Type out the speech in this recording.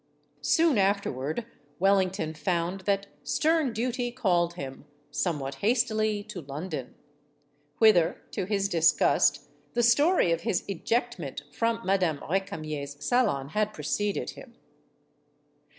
Soon afterward, Wellington found that stern duty called him, somewhat hastily, to London. Whither, to his disgust, the story of his ejectment from Madame Re camier's salon had preceded him.